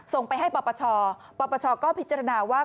ส่งไปให้ปปชปปชก็พิจารณาว่า